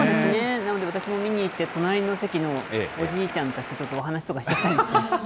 なので私も見に行って、隣の席のおじいちゃんたちとちょっとお話とかしちゃったりしました。